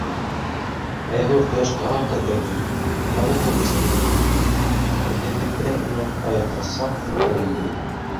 Аяуһыҙ ҡояш тағы ҡыҙҙырҙы, тағы һыу эскеһе килде, хәлһеҙлектән уның аяҡтары саҡ күтәрелде.